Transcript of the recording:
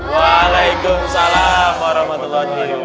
waalaikumsalam warahmatullahi wabarakatuh